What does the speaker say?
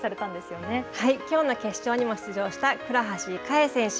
きょうの決勝にも出場した倉橋香衣選手。